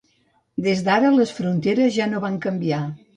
Des d'ara, les fronteres ja no van canviar.